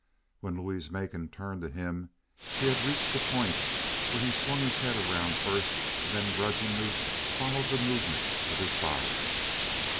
When Louise Macon turned to him, he had reached the point where he swung his head around first and then grudgingly followed the movement with his body.